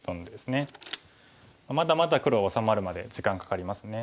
まだまだ黒は治まるまで時間かかりますね。